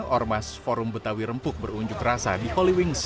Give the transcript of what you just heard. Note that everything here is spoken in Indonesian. delapan ormas forum betawi rempuk berunjuk rasa di holy wings